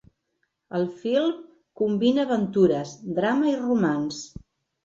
El film combina aventures, drama i romanç.